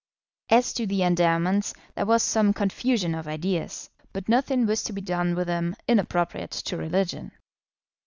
As to the endowments, there was some confusion of ideas; but nothing was to be done with them inappropriate to religion.